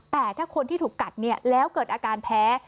แต่ถ้าคนที่ถูกกัดเนี่ยแล้วเกิดอาการแพ้